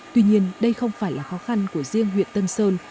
tuy nhiên đây không phải là khó khăn của riêng huyện tân sơn